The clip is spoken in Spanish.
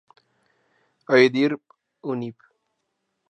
I der Univ.